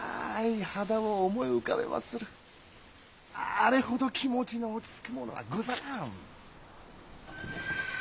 あれほど気持ちの落ち着くものはござらん。